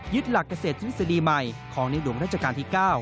หลักเกษตรทฤษฎีใหม่ของในหลวงราชการที่๙